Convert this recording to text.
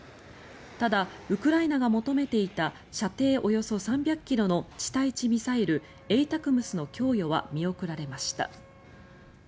ただ、ウクライナが求めていた射程およそ３００ｋｍの地対地ミサイルＡＴＡＣＭＳの供与は見送られました。